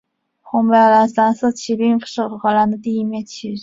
红白蓝三色旗并不是荷兰的第一面国旗。